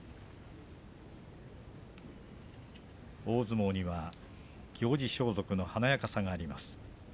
大相撲には行司装束の華やかさがあります。